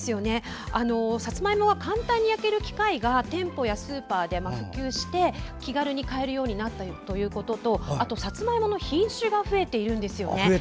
さつまいもは簡単に焼ける機械が店舗やスーパーで普及して気軽に買えるようになったということとさつまいもの品種が増えているんですよね。